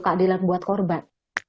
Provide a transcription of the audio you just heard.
keadilan buat korban